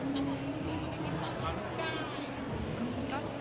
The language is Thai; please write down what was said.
ก็ตามนั้นเลยค่ะ